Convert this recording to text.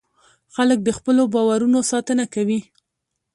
خلک د خپلو باورونو ساتنه کوي.